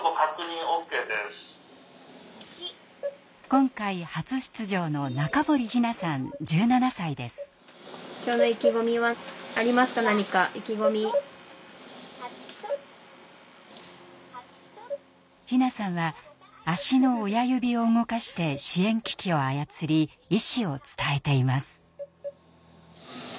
今回初出場の陽菜さんは足の親指を動かして支援機器を操り意思を伝えています。